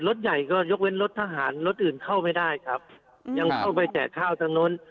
รถใหญ่ก็ยกเว้นรถทหารรถอื่นเข้าไม่ได้ครับยังเข้าไปแจกข้าวทั้งนู้น